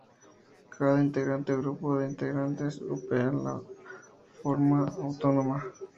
Cada integrante o grupo de integrantes opera de forma autónoma.